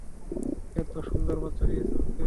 এতো সুন্দর বাচ্চা দিয়েছো ওকে?